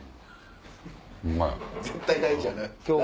絶対大事やな来年。